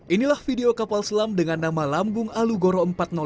inilah video kapal selam dengan nama lambung alugoro empat ratus dua